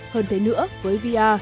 hơn thế nữa với vr